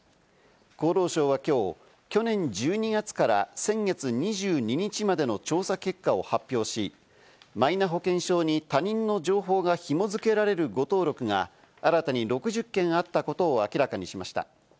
厚労省はきょう、去年１２月から先月２２日までの調査結果を発表し、マイナ保険証に他人の情報がひも付けられる誤登録が新たに６０件あったことを明らかにしました。